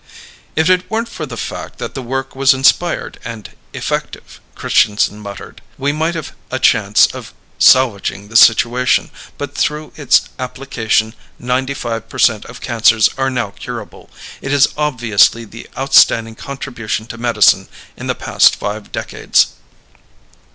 "If it weren't for the fact that the work was inspired and effective," Christianson muttered, "we might have a chance of salvaging this situation. But through its application ninety five per cent of cancers are now curable. It is obviously the outstanding contribution to medicine in the past five decades."